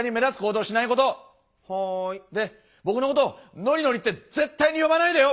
で僕のことのりのりって絶対に呼ばないでよ！